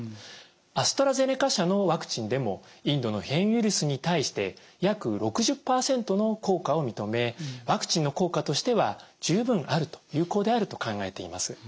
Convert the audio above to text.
アストラゼネカ社のワクチンでもインドの変異ウイルスに対して約６０％の効果を認めワクチンの効果としては十分あると有効であると考えています。